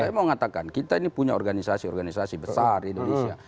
saya mau mengatakan kita ini punya organisasi organisasi besar di indonesia